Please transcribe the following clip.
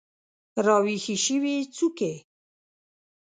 راویښې شوي څوکې